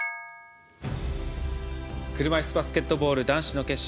車いすバスケットボール男子の決勝。